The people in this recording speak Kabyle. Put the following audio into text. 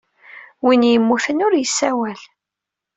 Win yemmuten ur yessawal.